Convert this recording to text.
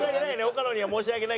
岡野には申し訳ないけど。